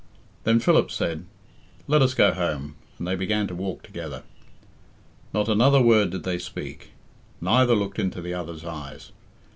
Then Philip said, "Let us go home," and they began to walk together. Not another word did they speak. Neither looked into the other's eyes.